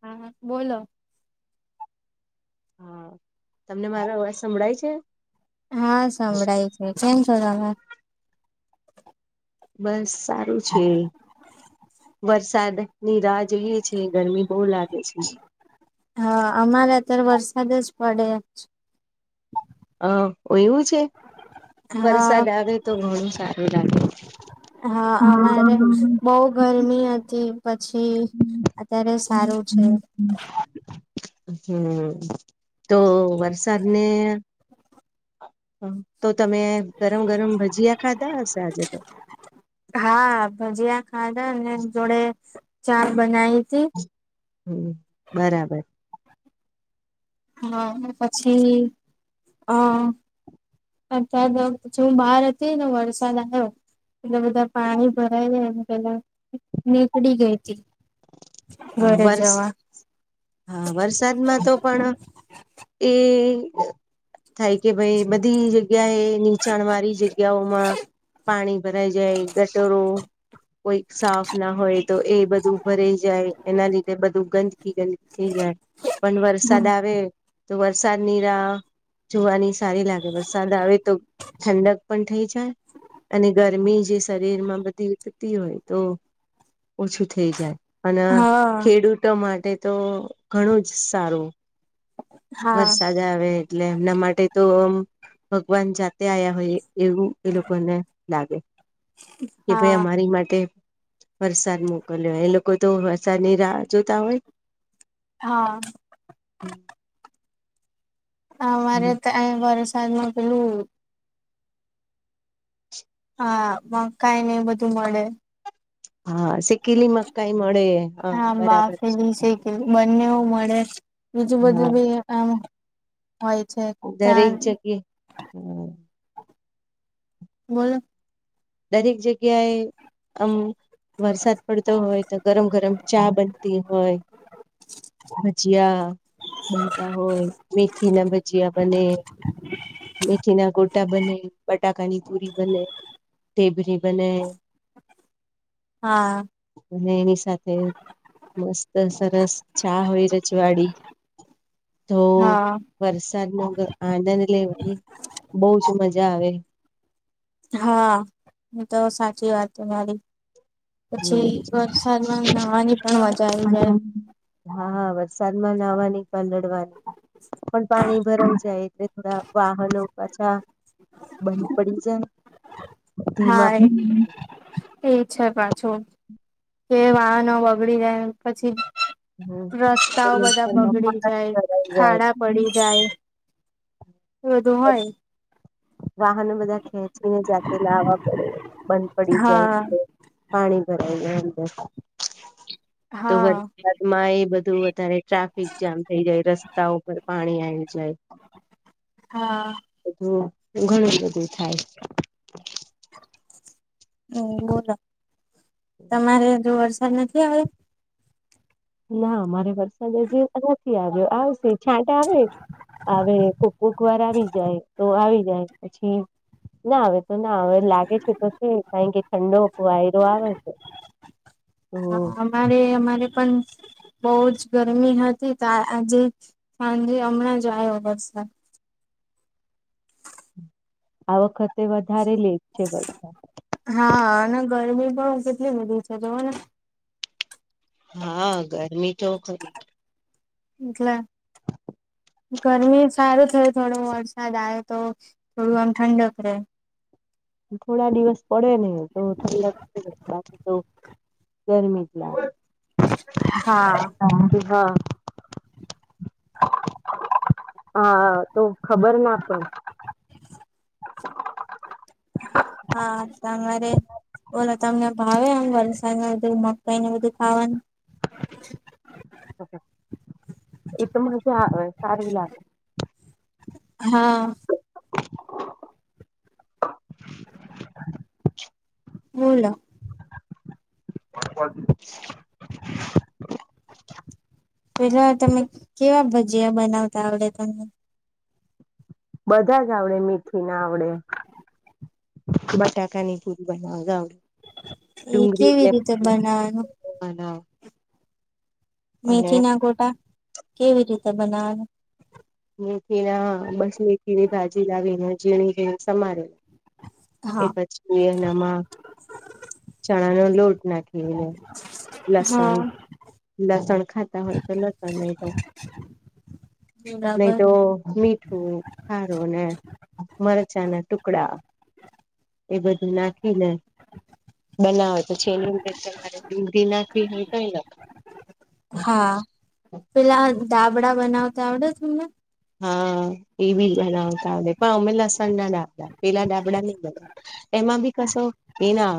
હા હા બોલો. હા, તમને મારો અવાજ સંભળાય છે? હા, સંભળાય છે કેમ છો લાલા? બસ સારું છે. વરસાદની રાહ જોઈએ છીએ, ગરમી બહુ લાગે છે. હા અમારે અતાર વરસાદ જ પડે છે. હ એવું છે, હા વરસાદ આવે તો ઘણું સારું લાગે હો. હા, અમારે બવ ગરમી હતી પ છી અત્યારે સારું છે. હમ્મ તો વરસાદ ને તો તમે ગરમ ગરમ ભજીયા ખાધા હશે આજે તો. હા, ભજીયા ખાધા અને જોડે ચા બનાઈ. હમ્મ બરાબર. હ પછી હ. અતાર તો જો હું બહાર હતી ને વરસાદ આયો. એટલે બધા પાણી ભરાય જાયને પેલા નીકડી ગઈ તી ઘરે વર્ષ જવા. હા વરસાદમાં તો પણ એ થાય કે ભાઈ બધી જગ્યા એ નીચાણ વાળી જગ્યાઓમાં પાણી ભરાઈ જાય ગટરો કોઈ સાફ ના હોય તો એ બધું ભરાઈ એના લીધે બધું ગંદકી ગંદકી થઈ જાય પણ વરસાદ આવે તો વરસાદનીરા જોવાની સારી લાગે વરસાદ આવે તો ઠંડક પણ થઈ જાય. અને ગરમી જે શરીર માં બધી વતી હોય તો ઓછું થઈ જાય. અને હા ખેડૂતો માટે તો ઘણું જ સારું. હા વરસાદ આવે એટલે એમના માટે તો આમ ભગવાન જાતે આ્યા હોય એવું એ લોકોને લાગે કે ભાઈ હા અમારી માટે વરસાદ મોકલ્યો એ લોકો તો વરસાદ ની રાહ જોતા હોય. હા. અમારે હમ. તો અહી વરસાદમાં પેલું હા મ કઈને બધું મળે હા સિકલી મકાઈ મળે હા બરાબર છે. એમનેવું મળે બીજું હા. બધું ભી આમ હોય છે દરેક ચાંદ જગ્યા હમ બોલો. દરેક જગ્યાએ આમ વરસાદ પડતો હોય તો ગરમ ગરમ ચા બનતી હોય. ભજીયા બનતા હોય મેથી ના ભજીયા બને. મેથી ના ગોટા બને બટાકાની પુરી બને. ઢેબ્રી બને હા અને એની સાથે મસ્ત સરસ ચા હોય રજવાડી તો હા વરસાદ નો આનંદ લેવાની બહુ જ મજા મજા આવે. હા તો સાચી વાત તમારી પછી વરસાદમાં નાહવાની પણ હમ મજા આવી જાય હા હા વરસાદમાં વાવાની પંદડવા પણ પાણી ભરાઈ જાય થોડા વાહનો પાછા બંધ પડી જાય હા ધીમા એ એ છે પણ છો કે વાહનો બગડી જાય પછી રસ્તાઓ બધા બગડી જાય જાય ખાડા પડી જાય બધું હોય વાહનો બધા ખેંચીને જાતે લાવવા પડે બંધ પડી હા જાય પાણી [unintelligible] તો હા વરસાદમાં એ બધું વધારે ટ્રાફિક જામ થઈ જાય રસ્તા પર પાણી આવ હા બધું ઘણું બધું થાય હમ બોલો તમારે જો વરસાદ નથી આવે ના અમારે વરસાદ હજી નથી આવ્યો આવશે છાંટ આવે આવે કોક કોક વાર આવી જાય તો આવી જાય પછી ના આવે તો ના હવે લાગે છે તો શું કારણ કે ઠંડો વાયરો આવે છે તો હા અમારે અમારે પણ બહુ જ ગરમી હતી તો આજે સાંજે હમણાં જ આયો વરસાદ [inaudible] આ વખતે વધારે લેટ છે બસ હા અને ગરમી પણ કેટલી બધી છે જુઓ ને હા ગરમી તો ખરી ગ્લા [inaudible] ગરમી સારું થય થોડો વરસાદ આવે તો થોડું આમ ઠંડક રે થોડા દિવસ પડે ને તો બાકી તો [unintelligible] મીટલા હા [inaudible] હા તો ખબર ના પ હા તમારે બોલો તમને ભાવે એમ વરસાદ બધું મકાઈ ને બધું ખાવાનું [inaudible] એ તો [unintelligible] સારી લાગે હા બોલો [unintelligible] પેલા તમે કેવા ભજીયા બનાવતા આવડે તમને બધા જ આવડે મીઠી ના આવડે [unintelligible] ની પૂરી બનાવા આવડે એ ડુંગરી કેવી રીતે બનાવાનું હના મેથી ના ગોટા કેવી રીતે બનાવાના? બાજી લાવીને ઝીણી જેણી સમારે એ હા પછી એનામાં ચણા નો લોટ નાખ [unintelligible] લસણ લસણ ખાતા હોય તો લતો લે તો નહી બરાબર તો મીઠું હારું ને મરચાના ટુકડા એ બધું નાખીને બનાવે તો છે જેની અંદર તમારે ભીંડી નાખવી ને કઈ [unintelligible] હા પેલા દાબડા બનાવતા આવડે તમને. હા. એ બી બનાવતા પણ અમે લસણ ના ડાબડા પેલા ડાબડા નહી બનાવ એમાં બી સા એ ના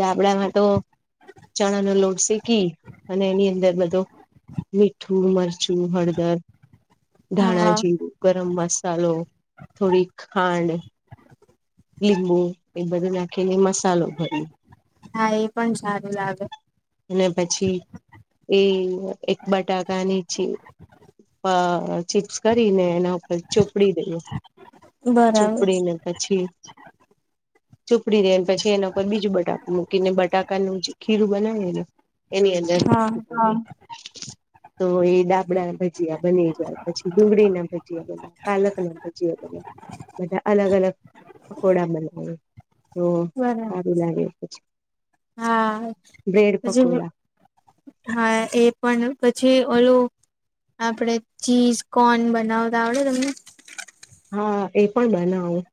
દાબડામાં તો ચણા નો લોડ શેકી અને એની અંદર બધો મીઠું મરચું હળદર હા ધાણાજીરું ગરમ મસાલો થોડી ખાંડ. લીંબુ એ બધું નાખીને મસાલો ભરી હા એ પણ સારું લાગે. અને પછી એ એક બટાકા નીચી આ ચીપ્સ કરીને એના ઉપર ચોપડી દઈએ. બરાબર ચૂપડી ને પછી ચુંપડી રેલ પછી એના ઉપર બીજું બટાકું મૂકીને બટાકાનું જે ખીરું બનાવે એને એની અંદર હા. તો એ ડાબડા ભજીયા બની જાય પછી ડુંગળી ના ભજીયા બન્યા પાલક ના ભજીયા બન્યા. બધા અલગ અલગ પકોડા બનાવે તો બરાબર સારું લાગે પછી. હા બ્રેડ પછી પકોડા હા એ પણ પછી ઓલું આપડે ચીઝ કોન બનાવતા આવડે તમને. હા એ પણ બનાવું.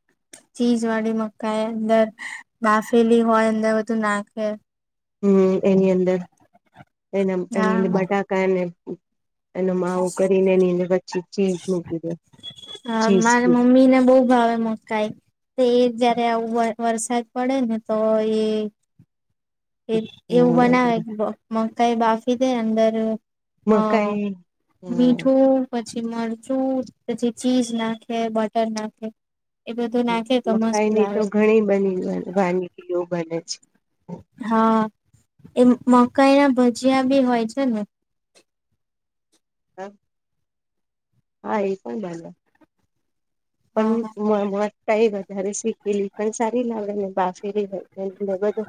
ચીજ વાળી મકાઈ અંદર બાફેલી હોય અંદર બધું નાખે. હમ એની અંદર એના એની હા અંદર બટાકા ને એ માવું કરી ને એની અંદર ચી ચીઝ મૂકી દઉં. હા મારા મમ્મી ને બહુ ભાવે મકાઈ તે એક જાત ને આવું વરસાદ પડે ને તો એ એ એવું હ બનાવે મકાઈ બાફી દે અંદર હા મકાઈ હા મીઠું પ પછી મરચું પછી ચીઝ નાખે બટર નાખે. એ બધું નાખે તો મસ્ત મકાઈની તો લાવે ઘણી બની વાનગીઓ બને છે. હા એ મકાઈ ના ભજીયા બી હોય છે ને. [inaudible] હા. હા એ પણ બંને પણ હા માંગ વધતા [unintelligible] તારે શીખેલી પણ સારી લાવે ને બાફેરી હોયંદ બધું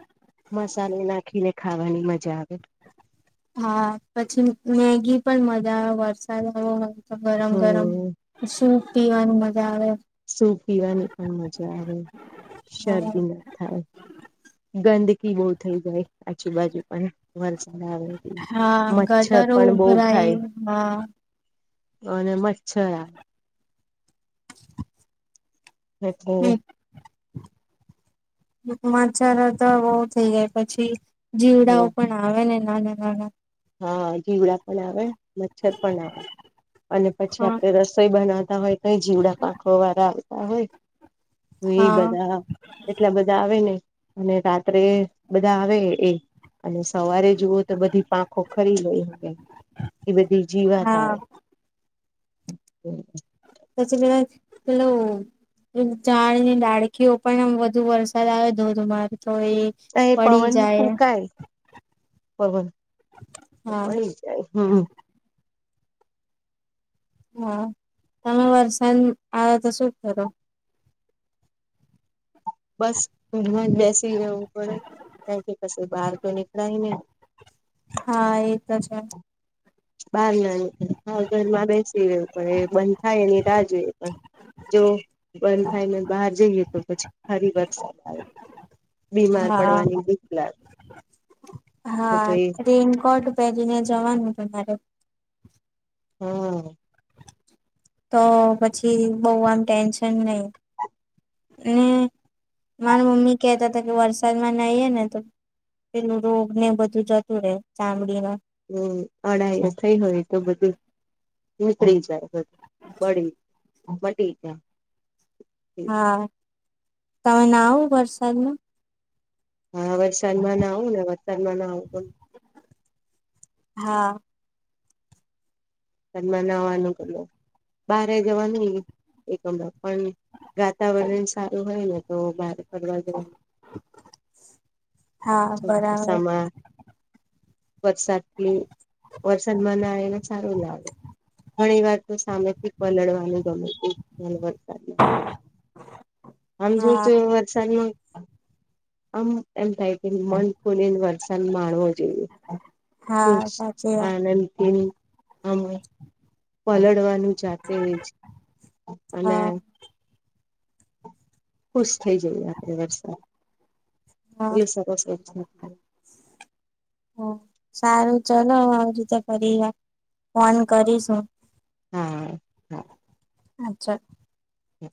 મસલે નાખીને ખાવાની મજા આવે. હા પછી મેગી પણ મજા આવે વરસાદ આવ્યો હોય. ગરમ ગરમ હમ સૂપ પીવાનું મજા આવે. સૂપ પીવાની પણ મજા આવે હા. શરદી ના થાય. ગંદકી બહુ થઇ જાય આજુબાજુ પણ વર વરસાદ આવે એવી હા મચ્છર ગટરો પણ બો ઉભરાય થાય. હા અને મચ્છર એટલે હમ્મ. માછાલ તો બો થઇ જાય પછી જીવડાઓ પણ આવે ને નાના નાના. હા જીવડા પણ આવે મચ્છર પણ આવે. અને પછી હા આપડે રસોઈ બનાવતા હોય તો જીવડા [unintelligible] વાળા. હોય એ હા બધા એટલા બધા આવે નહિ અને રાત્રે બધા આવે એ અને સવારે જુઓ તો બધી પ પંખો ખરી ગય એ બધી જીવાતા હા હોય. [inaudible] પછી પેલા પેલો. ઝાડની ડાળકીઓ પણ આમ વધુ વરસાદ આવે ધોધમાર. તો એ અ પડી પવન જાય કુલકા પવન. હા પડી જાય હ. હા તમે વાર સાંજ આવે તો શું થતું. બસ હ જ બેસી રહેવું પડે ક્યાથી ક બહાર. તોું નીકળ. હા એ તો છે. બાર નાા ઘરમાં બેસી રહ્યું પણ એ બંધ થાય એની રા. પણ જો બંધ થાઈને બહાર જઈએ તો પછી. ફરી વરસાદ આવે બીમાર હા પડવાની દીક લાગે. કે હા ભાઈ રેનકોટ પહેરીને જવાનું તમારે. હમ. તો પછી બહ આમ ટેન્શન નહી. મારા મમ્મી કેહતા હતા કે વરસાદમાં નઈ ને તો. પેલું રોગ ને બધું જતું રહેે ચામડી ન. હમ અઢાઈ થઈ હોય તો બધું નીકળી જાય. બડી બધી છે. હા તમે ના આવ વરસાદમાં. હા વરસાદમાં ના આવું ને વરસાનમાં ના આવું પણ. હા. ઘનમાં નાવાનું કે બારે જવાનું એક હમ પણ. વાતાવરણ સારું હોય ને તો બહાર ફરવા જ હા બરાબર સામાં. વરસાદની વરસાદમાં ના આવેને સારું લાવે. ઘણી વાર તો સામેથી પલળવાનું ગમે. આમ જો હા તો વરસાદમાં. અમ એમ થાય કે મન ખોલીને વરસાદ માં હા સાચી - વાત આણ [unintelligible] આમ પલળવાનું. અને જાતે જ અને હા પુશ [inaudible] થઈ જઈ આપે વરસાદ હા એ સરસ જ છે. હ સારું ચલો આવી રીતે ફરી વા ફોન કરીશું. હા હા. અચ્છા. હમ.